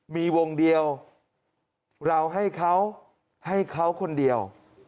มีวงเดียวเราให้เขาให้เขาคนเดียว